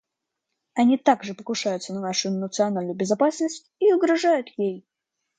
Они также покушаются на нашу национальную безопасность и угрожают ей.